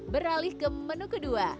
beralih ke menu kedua